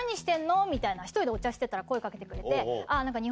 １人でお茶してたら声掛けてくれて。